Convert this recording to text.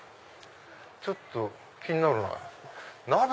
ちょっと気になるなぁ。